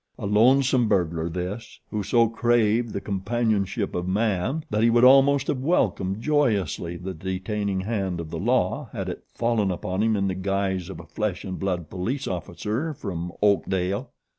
A lonesome burglar, this, who so craved the companionship of man that he would almost have welcomed joyously the detaining hand of the law had it fallen upon him in the guise of a flesh and blood police officer from Oakdale.